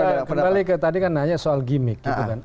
ya kembali ke tadi kan nanya soal gimmick gitu kan